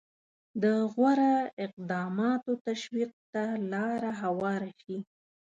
د غوره اقداماتو تشویق ته لاره هواره شي.